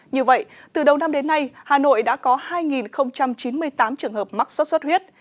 như vậy từ đầu năm đến nay hà nội đã có hai chín mươi tám trường hợp mắc sốt xuất huyết